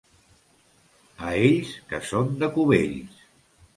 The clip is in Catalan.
A ells, que són de Cubells!